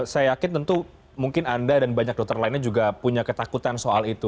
saya yakin tentu mungkin anda dan banyak dokter lainnya juga punya ketakutan soal itu